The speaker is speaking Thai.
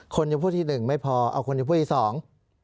คนจำพวกที่หนึ่งไม่พอเอาคนจำพวกที่สอง